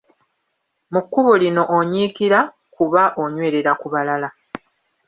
Mu kkubo lino onyiikira, kuba onywerera ku balala.